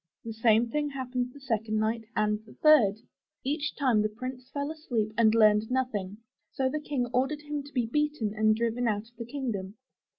The same thing happened the second night and the third. Each time the Prince fell asleep and learned nothing, so the King ordered him to be beaten and driven out of the kingdom.